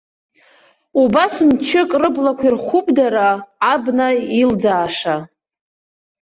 Убас мчык рыблақәа ирхуп дара, абна илӡааша.